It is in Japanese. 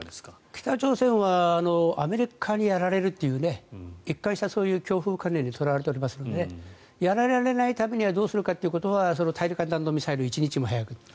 北朝鮮はアメリカにやられるという一貫した恐怖観念にとらわれているのでやられないためにはどうするかということは大陸間弾道ミサイルを一日でも早く。